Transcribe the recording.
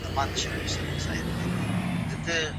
اسدالله خان پر فراه باندې بريالۍ حمله وکړه.